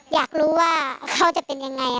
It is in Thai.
อยากรู้ว่าเขาจะเป็นยังไง